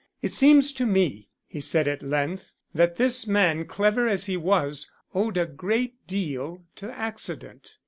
"It seems to me," he said at length, "that this man, clever as he was, owed a great deal to accident."